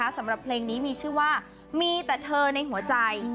สำหรับเพลงนี้มีชื่อว่ามีแต่เธอในหัวใจ